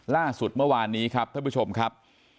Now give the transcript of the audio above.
ล่าสุดเมื่อวานนี้ครับท่านผู้ชมครับ